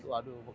bukan ego banget